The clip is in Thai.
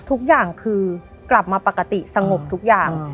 ทุกอย่างคือกลับมาปกติสงบทุกอย่าง